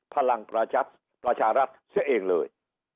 พลังประชารัฐเสียเองเลย